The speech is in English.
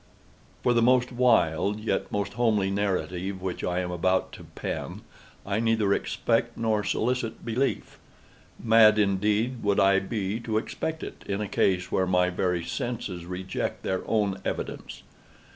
For the most wild, yet most homely narrative which I am about to pen, I neither expect nor solicit belief. Mad indeed would I be to expect it, in a case where my very senses reject their own evidence.